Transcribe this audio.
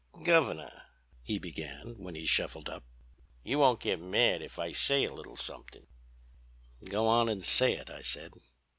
"'Governor,' he began, when he'd shuffled up, 'you won't git mad if I say a little somethin'? "'Go on and say it,' I said.